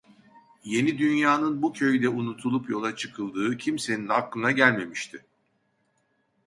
Yeni Dünya'nın bu köyde unutulup yola çıkıldığı kimsenin aklına gelmemişti.